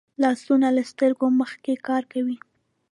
لاسونه له سترګو مخکې کار کوي